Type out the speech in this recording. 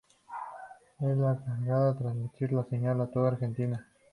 Es la encargada de transmitir la señal a toda la Argentina.